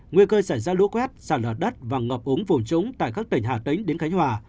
nguy cơ sản ra lũ quét sản lợt đất và ngập úng vùng trúng tại các tỉnh hà tĩnh đến khánh hòa